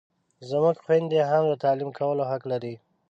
زموږ خویندې هم د تعلیم کولو حق لري!